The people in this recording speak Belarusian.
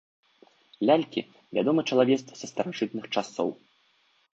Лялькі вядомы чалавецтву са старажытных часоў.